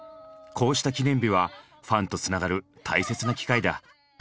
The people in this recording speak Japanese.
こうした記念日はファンとつながる大切な機会だ。